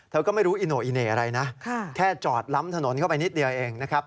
ก็ไม่รู้อิโน่อีเหน่อะไรนะแค่จอดล้ำถนนเข้าไปนิดเดียวเองนะครับ